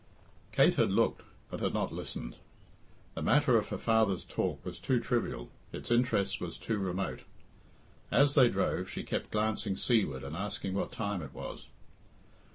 Kate had looked, but had not listened. The matter of her father's talk was too trivial, it's interest was too remote. As they drove, she kept glancing seaward and asking what time it was.